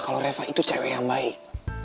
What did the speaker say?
kalau reva itu cewek yang baik